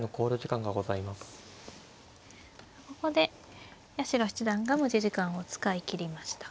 ここで八代七段が持ち時間を使いきりました。